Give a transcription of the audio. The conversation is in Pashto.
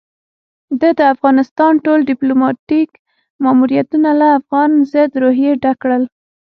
ده د افغانستان ټول ديپلوماتيک ماموريتونه له افغان ضد روحيې ډک کړل.